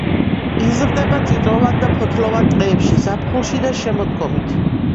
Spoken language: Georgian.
იზრდება წიწვოვან და ფოთლოვან ტყეებში ზაფხულში და შემოდგომით.